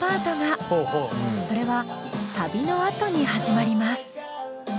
それはサビのあとに始まります。